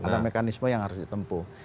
ada mekanisme yang harus ditempuh